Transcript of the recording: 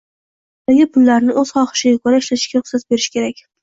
• Bolaga pullarini o‘z xohishiga ko‘ra ishlatishga ruxsat berish kerak.